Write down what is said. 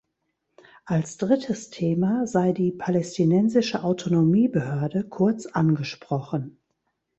Als drittes Thema sei die Palästinensische Autonomiebehörde kurz angesprochen.